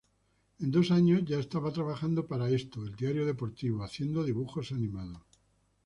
En dos años, ya estaba trabajando para "Esto", el diario deportivo, haciendo dibujos animados.